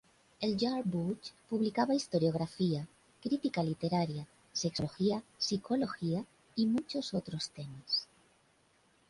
El "Jahrbuch" publicaba historiografía, crítica literaria, sexología, psicología y muchos otros temas.